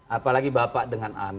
apalagi bapak dengan anak